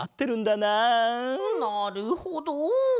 なるほど。